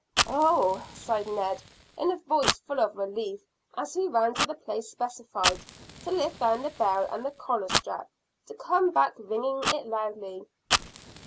"Oh!" sighed Ned in a voice full of relief, and he ran to the place specified, to lift down the bell and the collar strap, to come back ringing it loudly.